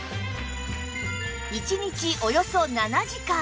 １日およそ７時間